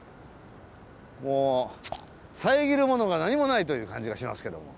もう遮るものが何もないという感じがしますけども。